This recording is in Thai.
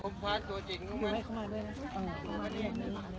มันก็อะไรนะนี่เนี่ย